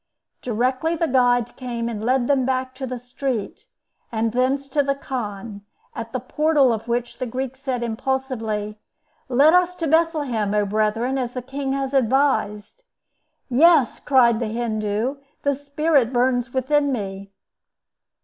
Directly the guide came, and led them back to the street, and thence to the khan, at the portal of which the Greek said, impulsively, "Let us to Bethlehem, O brethren, as the king has advised." "Yes," cried the Hindoo. "The Spirit burns within me."